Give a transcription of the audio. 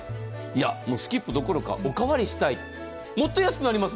スキップどころかおかわりしたい。